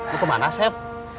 lu kemana sep